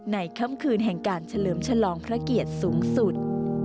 ค่ำคืนแห่งการเฉลิมฉลองพระเกียรติสูงสุด